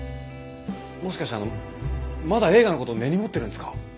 もしかしてあのまだ映画のこと根に持ってるんですか？